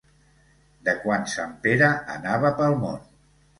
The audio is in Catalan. De quan sant Pere anava pel món.